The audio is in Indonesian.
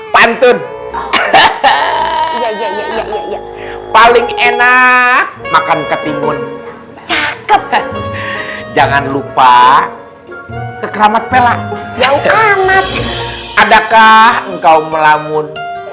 paling enak makan ketimun cakep jangan lupa ke keramat bella adakah engkau melamun